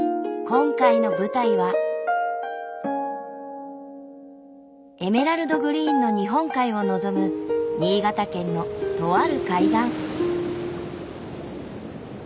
今回の舞台はエメラルドグリーンの日本海を望む新潟県のとある海岸。